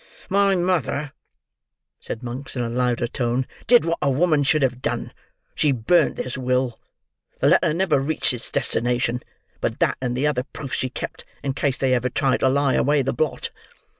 "My mother," said Monks, in a louder tone, "did what a woman should have done. She burnt this will. The letter never reached its destination; but that, and other proofs, she kept, in case they ever tried to lie away the blot.